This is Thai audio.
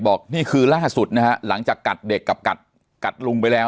นี่คือล่าสุดนะฮะหลังจากกัดเด็กกับกัดลุงไปแล้ว